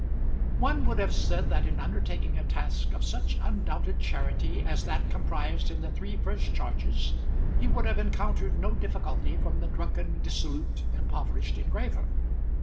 One would have said that in undertaking a task of such undoubted charity as that comprised in the three first charges, he would have encountered no difficulty from the drunken, dissolute, impoverished engraver.